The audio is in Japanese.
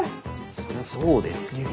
それはそうですけど。